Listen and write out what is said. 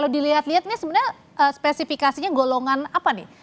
kalau dilihat lihat ini sebenarnya spesifikasinya golongan apa nih